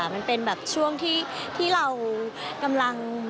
มันเป็นแบบช่วงที่เรากำลัง